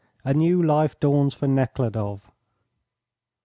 A NEW LIFE DAWNS FOR NEKHLUDOFF.